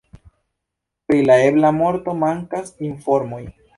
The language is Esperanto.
Pri la ebla morto mankas informoj.